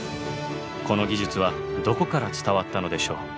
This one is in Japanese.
この技術はどこから伝わったのでしょう？